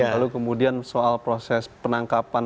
lalu kemudian soal proses penangkapan